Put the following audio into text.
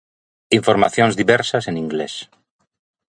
Informacións diversas en inglés